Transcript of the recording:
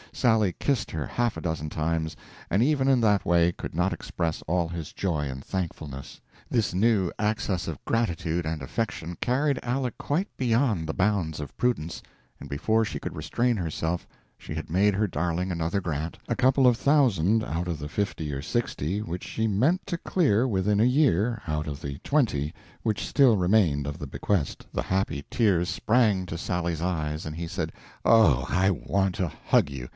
Sally kissed her half a dozen times and even in that way could not express all his joy and thankfulness. This new access of gratitude and affection carried Aleck quite beyond the bounds of prudence, and before she could restrain herself she had made her darling another grant a couple of thousand out of the fifty or sixty which she meant to clear within a year of the twenty which still remained of the bequest. The happy tears sprang to Sally's eyes, and he said: "Oh, I want to hug you!"